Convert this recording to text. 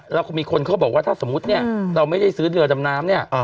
แล้วมีคนเขาบอกว่าถ้าสมมุติเราไม่ได้ซื้อเรือดำน้ำ